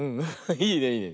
いいねいいね。